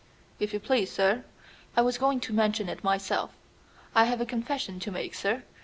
"If you please, sir, I was going to mention it myself. I have a confession to make, sir.